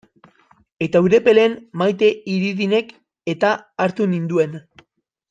Eta Urepelen Maite Idirinek-eta hartu ninduen.